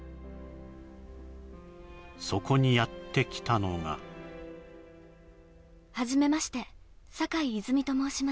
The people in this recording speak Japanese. そこにやってきたのが初めまして坂井泉水と申します